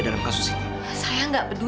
bapak bapak ibu